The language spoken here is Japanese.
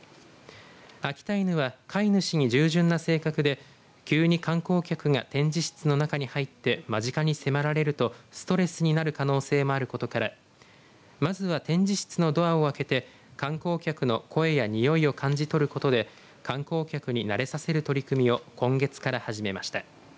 秋田犬は飼い主に従順な性格で急に観光客が展示室の中に入って間近に迫られるとストレスになる可能性もあることからまずは展示室のドアを開けて観光客の声やにおいを感じ取ることで観光客に慣れさせる取り組みを今月から始めました。